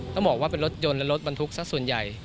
ต้องบอกว่าเป็นรถยนต์และรถบรรทุกสักส่วนใหญ่